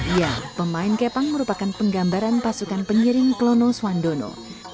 ya pemain kepang merupakan penggambaran pasukan penyiring klono swandono